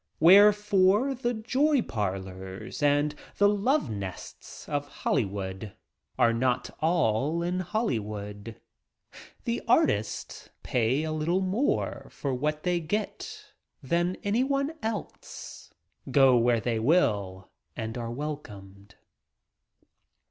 Wherefore, the "joy parlors" and the "love nests" of Hollywood are not all in Hollywood. The "artists" pay a little more for what they get than anyone else — go where they will and are welcomed.